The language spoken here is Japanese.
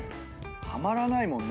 ハマらないもんね。